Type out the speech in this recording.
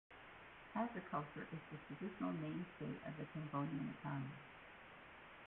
Agriculture is the traditional mainstay of the Cambodian economy.